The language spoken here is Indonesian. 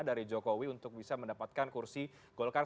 dari jokowi untuk bisa mendapatkan kursi golkar